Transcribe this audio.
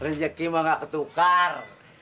rejekimu gak ketukar